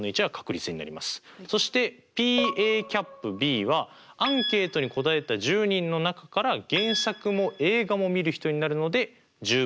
そしてＰはアンケートに答えた１０人の中から原作も映画もみる人になるので１０分の３と。